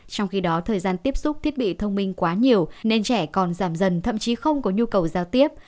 trong khi đó thời gian tiếp xúc thiết bị thông minh quá nhiều nên trẻ còn giảm dần thậm chí không có nhu cầu giao tiếp